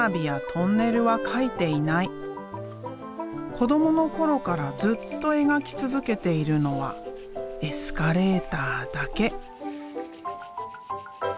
子どもの頃からずっと描き続けているのはエスカレーターだけ。